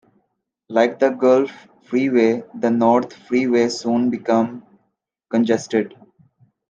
Like the Gulf Freeway, the North Freeway soon became congested.